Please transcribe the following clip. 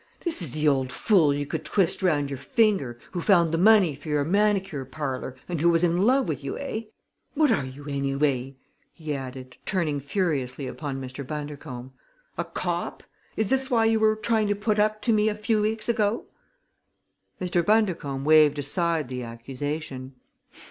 "This is the old fool you could twist round your finger, who found the money for your manicure parlor, and who was in love with you, eh? What are you, anyway?" he added, turning furiously upon Mr. Bundercombe. "A cop? Is this why you were trying to put up to me a few weeks ago?" Mr. Bundercombe waved aside the accusation.